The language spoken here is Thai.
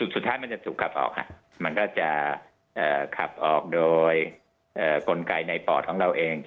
สุดท้ายมันจะถูกขับออกมันก็จะขับออกโดยกลไกในปอดของเราเอง